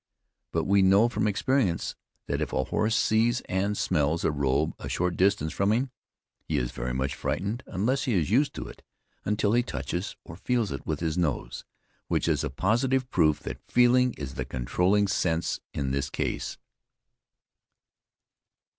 But, we know from experience, that if a horse sees and smells a robe a short distance from him, he is very much frightened, (unless he is used to it,) until he touches or feels it with his nose; which is a positive proof that feeling is the controlling sense in this case.